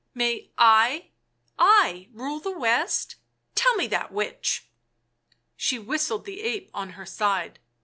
"May I — I, rule the West? — Tell me that, witch!" She whistled the ape on her side.